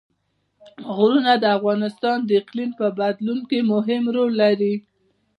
غرونه د افغانستان د اقلیم په بدلون کې مهم رول لري.